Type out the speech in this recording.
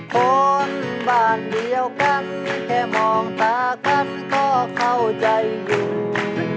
คนบ้านเดียวกันแค่มองตากันก็เข้าใจอยู่